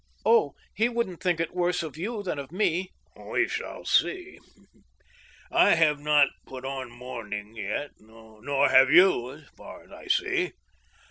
" Oh ! he wouldn't think it worse of you than of me." We shall see. ... I have not put on mourning yet ;... nor have you, as far as I see."